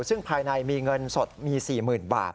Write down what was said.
ซึ่งภายในมีเงินสดมี๔๐๐๐บาท